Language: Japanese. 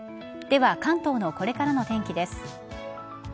では関東のこれからのお天気です。